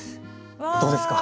どうですか？